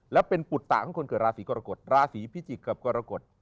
และเป็นปุตตะของคนเกิดราศีกรกฎราศีพิจิกษ์กับกรกฎ